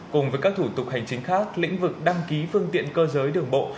cùng với các thủ tục hành chính khác lĩnh vực đăng ký phương tiện cơ giới đường bộ